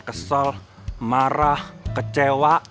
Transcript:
kesel marah kecewa